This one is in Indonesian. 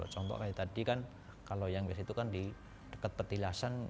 contoh kayak tadi kan kalau yang biasanya itu kan di dekat petilasan